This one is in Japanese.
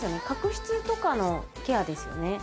角質とかのケアですよね？